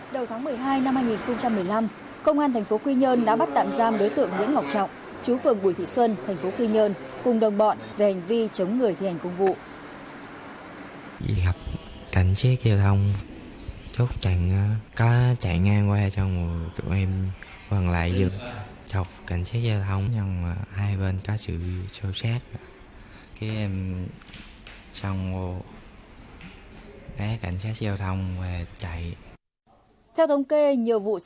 đầu tháng một mươi hai năm hai nghìn một mươi năm công an thành phố quy nhơn đã bắt tạm giam đối tượng nguyễn ngọc trọng chú phường bùi thị xuân thành phố quy nhơn cùng đồng bọn về hành vi chống người thèn công vụ